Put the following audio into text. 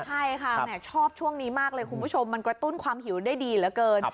ใช่ค่ะชอบช่วงนี้มากเลยคุณผู้ชมมันกระตุ้นความหิวได้ดีเหลือเกิน